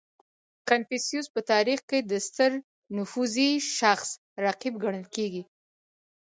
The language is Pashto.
• کنفوسیوس په تاریخ کې د ستر نفوذي شخص رقیب ګڼل کېږي.